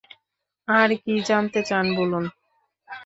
আর কী জানতে চান বলুন।